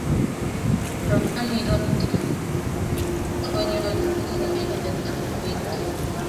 Robani ropta, konyoor ing'wendet beek.